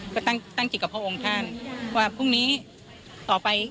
ก็ตั้งจิตกับพระองค์ท่านว่าพรุ่งนี้ต่อไป